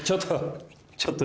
ちょっと。